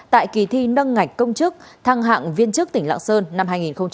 tại kỳ thi nâng ngạch công chức thăng hạng viên chức tỉnh lạng sơn năm hai nghìn một mươi chín